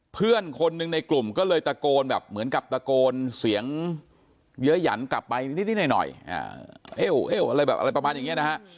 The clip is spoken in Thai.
เพื่อนคนหนึ่งในกลุ่มก็เลยตะโกนแบบเหมือนกับตะโกนเสียงเยอะหยันกลับไปนิดหน่อยเอ้วอะไรแบบอะไรประมาณอย่างนี้นะฮะ